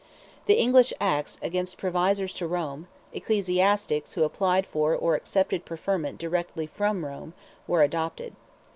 The English acts, against provisors to Rome—ecclesiastics who applied for or accepted preferment directly from Rome—were adopted.